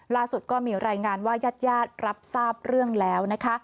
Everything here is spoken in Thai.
ล่าสุดก็มีรายงานว่าญาติญาติรับทราบเรื่องแล้วนะคะ